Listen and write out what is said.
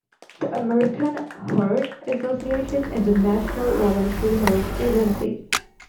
The American Heart Association is a national voluntary health agency.